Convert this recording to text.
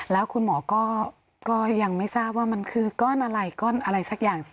แล้วคุณหมอก็ยังไม่ทราบว่ามันคือก้อนอะไรก้อนอะไรสักอย่าง